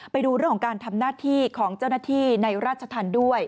ไปดูเรื่องของการทำหน้าที่ของเจ้าหน้าที่ในราชธรรมด้วย